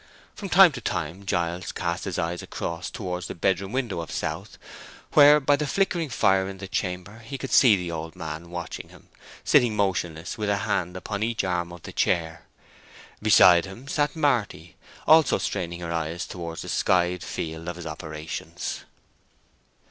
From time to time Giles cast his eyes across towards the bedroom window of South, where, by the flickering fire in the chamber, he could see the old man watching him, sitting motionless with a hand upon each arm of the chair. Beside him sat Marty, also straining her eyes towards the skyey field of his operations.